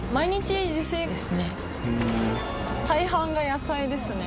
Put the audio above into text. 大半が野菜ですね。